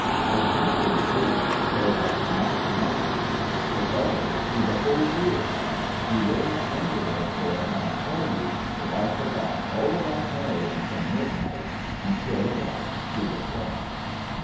I conquered sleep so as not to miss it. I thought of it through the whole year. You will not wonder, therefore, when I tell you that I forgot all about Marion from midnight until about two o'clock.